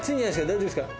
大丈夫ですか？